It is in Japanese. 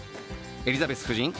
エリザベス夫人？